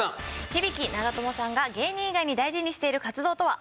響長友さんが芸人以外に大事にしている活動とは？